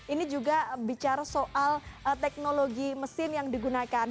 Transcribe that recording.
ini juga bicara soal teknologi mesin yang digunakan